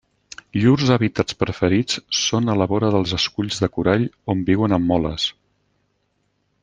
Llurs hàbitats preferits són a la vora dels esculls de corall on viuen en moles.